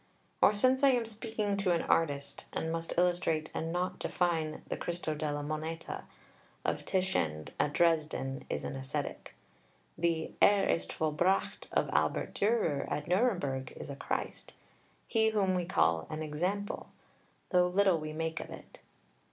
Or, since I am speaking to an artist and must illustrate and not define, the "Cristo della Moneta" of Titian at Dresden is an ascetic. The "Er ist vollbracht" of Albert Dürer at Nuremberg is a Christ he whom we call an example, though little we make of it.